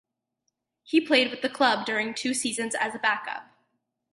He played with the club during two seasons, as a backup.